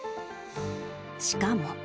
しかも。